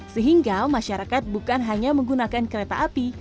sehingga masyarakat bukan hanya menggunakan kereta api